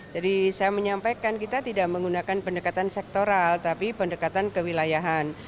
jadi saya menyampaikan kita tidak menggunakan pendekatan sektoral tapi pendekatan kewilayahan